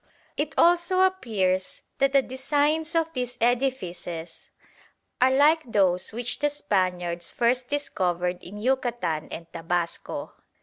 It also appears that the designs of these edifices are like those which the Spaniards first discovered in Yucatan and Tabasco."